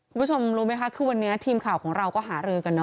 คุณผู้ชมรู้ไหมคะคือวันนี้ทีมข่าวของเราก็หารือกันเน